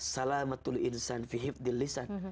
salamatul insan fi hifdil lisan